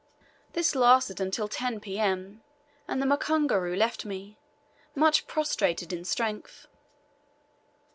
This lasted until 10 P.M., and the mukunguru left me, much prostrated in strength.